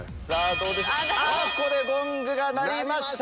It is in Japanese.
ここでゴングが鳴りました。